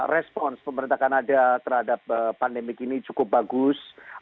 respons pemerintah kanada terhadap pandemi ini cukup bagus